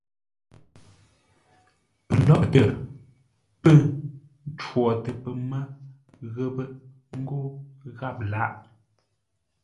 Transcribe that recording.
Pəlóghʼtə pə́ ncwotə pəmə́ ghəpə́ ńgó gháp lâghʼ.